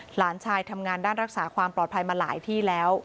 หลานชายทำงานด้านรักษาความปลอดภัยมาหลายที่แล้ว